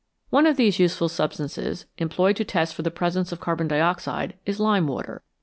One of these useful substances, employed to test for the presence of carbon dioxide, is lime water.